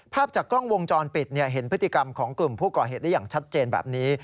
ภาพจากกล้องวงจรปิดเห็นพฤติกรรมของกลุ่มผู้ก่อเหตุได้อย่างชัดเจนแบบนี้